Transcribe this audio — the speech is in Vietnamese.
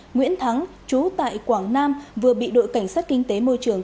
nguyễn thắng chú tại quảng nam vừa bị đội cảnh sát kinh tế môi trường